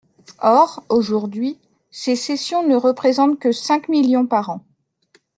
Or aujourd’hui, ces cessions ne représentent que cinq millions par an.